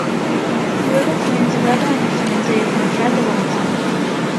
Luego fue enterrado en el Cementerio Central de Bogotá.